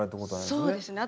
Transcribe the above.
そうですね。